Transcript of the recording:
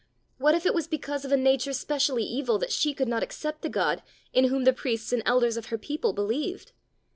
what if it was because of a nature specially evil that she could not accept the God in whom the priests and elders of her people believed!